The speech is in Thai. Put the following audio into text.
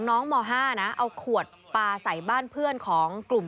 ม๕นะเอาขวดปลาใส่บ้านเพื่อนของกลุ่ม